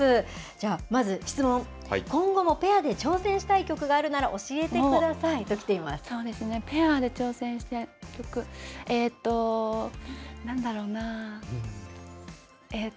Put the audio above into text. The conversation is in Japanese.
じゃあ、まず質問、今後もペアで挑戦したい曲があるなら教えてくそうですね、ペアで挑戦したい曲、なんだろうな。